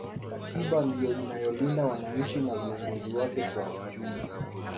katiba ndiyo inayolinda wananchi na viongozi wake kwa ujumla